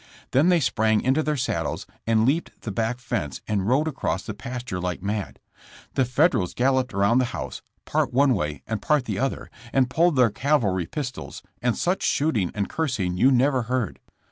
Then they sprang into their saddles, and leaped the back fence and rode across the pasture like mad. The Federals galloped around the house, part one way and part the other, and pulled their cavalry pistols, and such shooting and cursing you never heard.